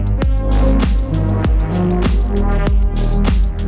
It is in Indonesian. dan pada saat mike